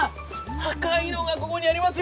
赤いのがここにありますよ。